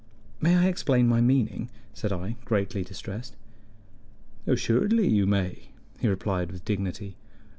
"May I explain my meaning?" said I, greatly distressed. "Assuredly you may," he replied with dignity.